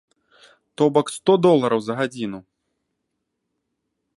То бок сто долараў за гадзіну!